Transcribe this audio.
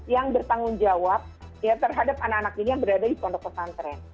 yang bertanggung jawab terhadap anak anak ini yang berada di pondok pesantren